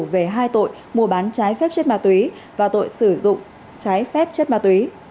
về hai tội mua bán trái phép chất ma túy và tội sử dụng trái phép chất ma túy